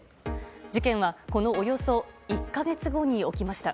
事件は、このおよそ１か月後に起きました。